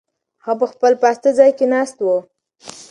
هغه په خپل پاسته ځای کې ناست و.